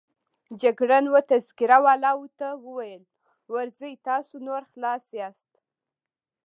جګړن وه تذکره والاو ته وویل: ورځئ، تاسو نور خلاص یاست.